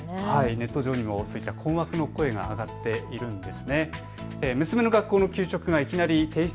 ネット上にもそういった困惑の声が上がっているんです。